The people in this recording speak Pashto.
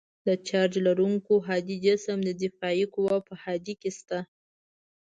د چارج لرونکي هادي جسم د دافعې قوه په هادې کې شته.